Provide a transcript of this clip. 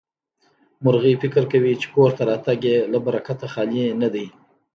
مرغۍ فکر کوي چې کور ته راتګ يې له برکته خالي نه دی.